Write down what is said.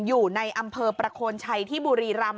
อยู่ในอำเภอประโคนชัยที่บุรีรำ